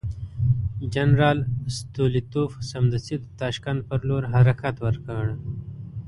جنرال ستولیتوف سمدستي د تاشکند پر لور حرکت وکړ.